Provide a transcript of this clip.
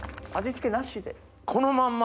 このまんま？